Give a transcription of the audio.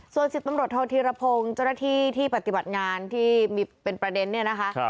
ส่วน๑๐ตำรวจโทษธีรพงศ์เจ้าหน้าที่ที่ปฏิบัติงานที่มีเป็นประเด็นเนี่ยนะคะ